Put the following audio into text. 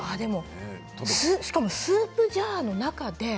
しかも、スープジャーの中で。